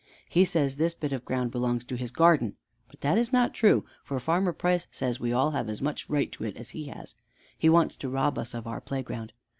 He says this bit of ground belongs to his garden, but that is not true, for Farmer Price says we have all as much right to it as he has. He wants to rob us of our playground.